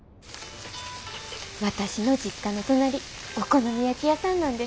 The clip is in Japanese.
私の実家の隣お好み焼き屋さんなんです。